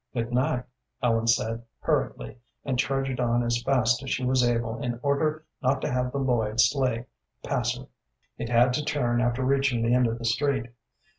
"Good night," Ellen said, hurriedly, and trudged on as fast as she was able in order not to have the Lloyd sleigh pass her; it had to turn after reaching the end of the street.